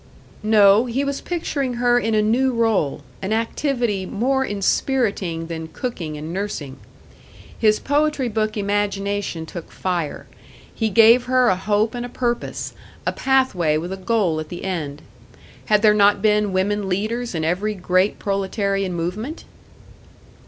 No, he was picturing her in a new role, an activity more inspiriting than cooking and nursing. His "poetry book" imagination took fire; he gave her a hope and a purpose, a pathway with a goal at the end. Had there not been women leaders in every great proletarian movement?